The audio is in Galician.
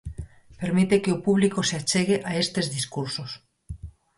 Permite que o público se achegue a estes discursos.